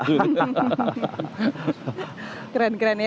keren keren ya